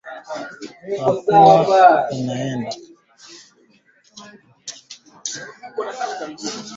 ya kudai utawala wa kiraia na haki kwa wale waliouawa